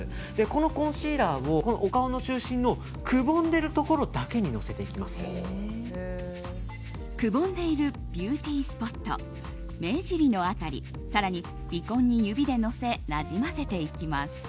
このコンシーラーをお顔の中心のくぼんでるところだけにくぼんでいるビューティースポット目尻の辺り、更に鼻根に指でのせなじませていきます。